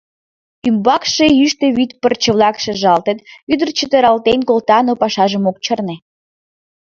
Ӱмбакше йӱштӧ вӱд пырче-влак шыжалтыт, ӱдыр чытыралтен колта, но пашажым ок чарне.